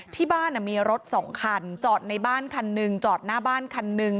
ที่บ้านมีรถสองคันจอดในบ้านคันหนึ่งจอดหน้าบ้านคันหนึ่ง